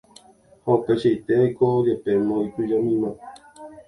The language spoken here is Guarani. ha upeichaite oiko jepémo itujamíma